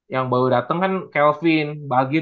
yang baru dateng kan kelvin bagi